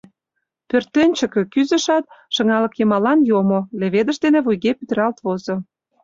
Пӧртӧнчыкӧ кӱзышат, шыҥалык йымалан йомо, леведыш дене вуйге пӱтыралт возо.